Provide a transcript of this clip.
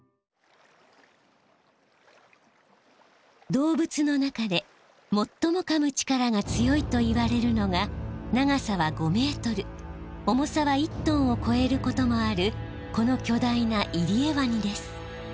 動物の中でもっともかむ力が強いといわれるのが長さは５メートル重さは１トンをこえることもあるこのきょ大なイリエワニです。